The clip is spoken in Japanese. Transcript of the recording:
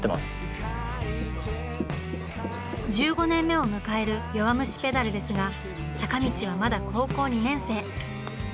１５年目を迎える「弱虫ペダル」ですが坂道はまだ高校２年生。